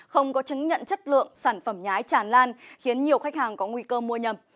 không có chứng nhận chất lượng sản phẩm nhái chản lan khiến nhiều khách hàng có nguy cơ mua nhầm